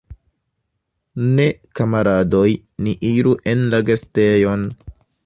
Ne, kamaradoj, ni iru en la gastejon!